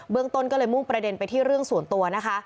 ต้นก็เลยมุ่งประเด็นไปที่เรื่องส่วนตัวนะคะ